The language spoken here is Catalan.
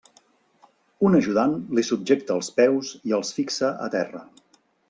Un ajudant li subjecta els peus i els fixa a terra.